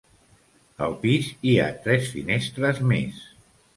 Al pis, hi ha tres finestres més.